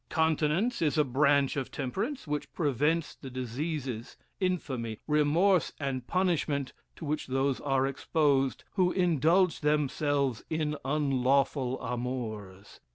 "Continence is a branch of temperance, which prevents the diseases, infamy, remorse, and punishment, to which those are exposed, who indulge themselves in unlawful amours.